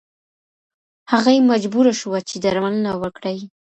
هغې مجبوره شوه چې درملنه وکړي.